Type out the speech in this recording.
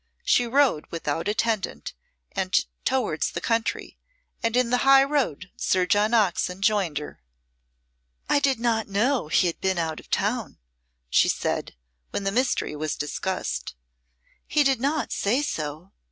She rode without attendant, and towards the country, and in the high road Sir John Oxon joined her. "I did not know he had been out of town," she said, when the mystery was discussed. "He did not say so.